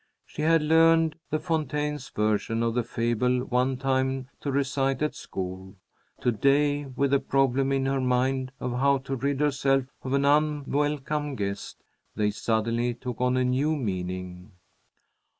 She had learned La Fontaine's version of the fable one time to recite at school. To day, with the problem in her mind of how to rid herself of an unwelcome guest, they suddenly took on a new meaning.